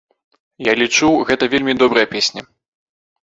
Я лічу, гэта вельмі добрая песня.